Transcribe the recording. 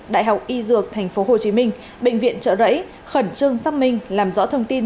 đại học y dược tp hcm bệnh viện trợ rẫy khẩn trương xác minh làm rõ thông tin